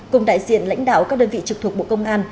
cùng đại diện lãnh đạo các đơn vị trực thuộc bộ công an